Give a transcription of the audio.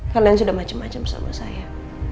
kalian sudah macem macem sama saya